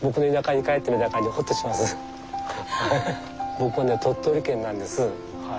僕ね鳥取県なんですはい。